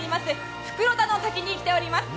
袋田の滝に来ております。